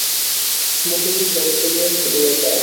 মোহিনী জল তুলিয়া চলিয়া যায়।